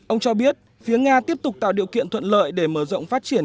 ông cho biết phía nga tiếp tục tạo điều kiện thuận lợi để mở rộng phát triển